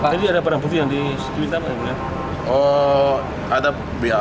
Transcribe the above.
jadi ada perang putih yang disekuit apa ya beliau